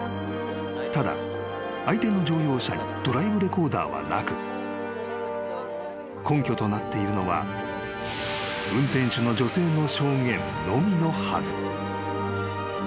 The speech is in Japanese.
［ただ相手の乗用車にドライブレコーダーはなく］［根拠となっているのは運転手の女性の証言のみのはず］